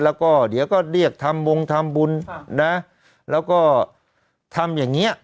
แล้วก็เดี๋ยวก็เรียกทำวงทำบุญนะแล้วก็ทำอย่างเงี้ย